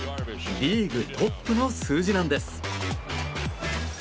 リーグトップの数字なんです。